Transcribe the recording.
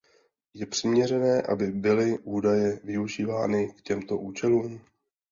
Je přiměřené, aby byly údaje využívány k těmto účelům?